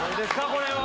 これは。